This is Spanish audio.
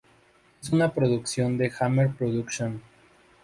Es una producción de Hammer Productions.